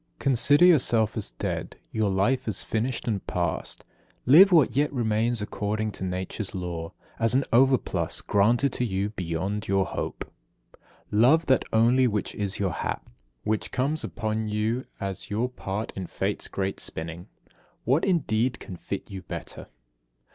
56. Consider yourself as dead, your life as finished and past. Live what yet remains according to Nature's laws, as an overplus granted to you beyond your hope. 57. Love that only which is your hap, which comes upon you as your part in Fate's great spinning. What, indeed, can fit you better?